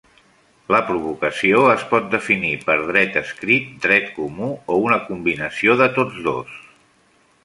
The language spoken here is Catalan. La provocació es pot definir per dret escrit, dret comú o una combinació de tots dos.